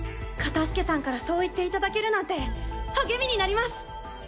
カタスケさんからそう言っていただけるなんて励みになります！